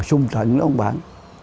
sung trận đó ông bạn